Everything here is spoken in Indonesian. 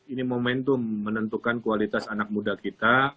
ini momentum menentukan kualitas anak muda kita